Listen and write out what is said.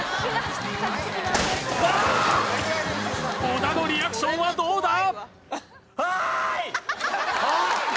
小田のリアクションはどうだ？